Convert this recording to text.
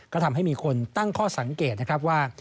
ก็ทำให้มีคนตั้งข้อสังเกตนะครับว่า